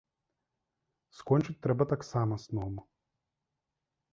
Скончыць трэба таксама сном.